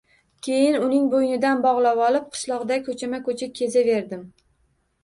Keyin, uning bo‘ynidan bog‘lavolib, qishloqda ko‘chama-ko‘cha kezaverdim